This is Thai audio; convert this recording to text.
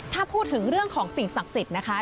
ถ้าพูดถึงเรื่องของสิ่งศักดิ์สิทธิ์นะคะ